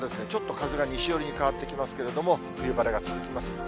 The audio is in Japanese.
ちょっと風が西寄りに変わってきますけれども、冬晴れ続きます。